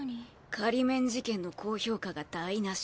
「仮免事件」の好評価が台無し。